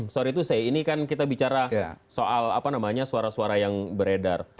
sorry to say ini kan kita bicara soal apa namanya suara suara yang beredar